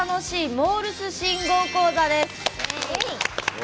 モールス信号講座」です。